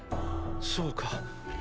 そうか。